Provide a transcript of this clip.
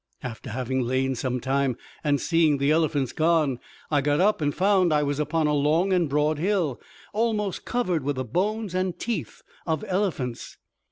After having lain some time, and seeing the elephants gone, I got up, and found I was upon a long and broad hill, almost covered with the bones and teeth of elephants.